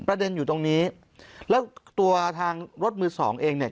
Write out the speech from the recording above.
ประเด็นอยู่ตรงนี้แล้วตัวทางรถมือสองเองเนี่ย